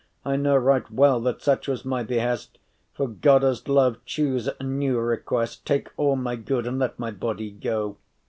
I know right well that such was my behest.* *promise For Godde’s love choose a new request Take all my good, and let my body go.